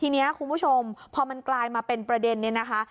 ทีนี้คุณผู้ชมพอมันกลายมาเป็นประเด็นนี้นะคะ